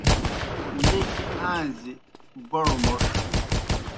لیکھیْ آݩزیْ بڑوْ موْݜ